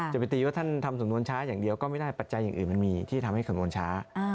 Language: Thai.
จะไปตีว่าท่านทำสำนวนช้าอย่างเดียวก็ไม่ได้ปัจจัยอย่างอื่นมันมีที่ทำให้สำนวนช้า